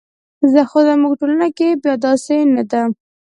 خو زموږ ټولنه کې بیا داسې نه ده.